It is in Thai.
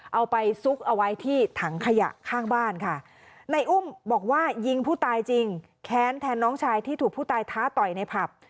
เอาไปซุกเอาไว้ที่ถังขยะข้างบ้านค่ะในอุ้มบอกว่ายิงผู้ตายจริงแค้นแทนน้องชายที่ถูกผู้ตายท้าต่อยในผับ